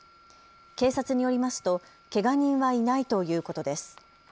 警察によりますとけが人はいないということです。